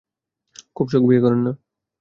খুব শখ, বিয়ে করার না?